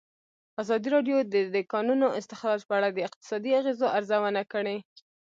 ازادي راډیو د د کانونو استخراج په اړه د اقتصادي اغېزو ارزونه کړې.